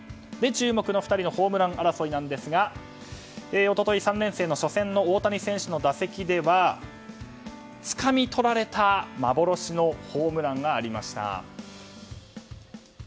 注目の２人のホームラン争いなんですが一昨日３連戦の初戦の大谷選手の打席ではつかみとられた幻のホームランがありました。